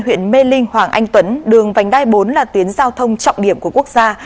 huyện mê linh hoàng anh tuấn đường vành đai bốn là tuyến giao thông trọng điểm của quốc gia